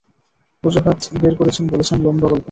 অজুহাত বের করেছেন-বলছেন, লম্বা গল্প।